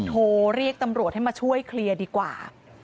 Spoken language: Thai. โทรเรียกตำรวจให้มาช่วยเคลียร์ดีกว่า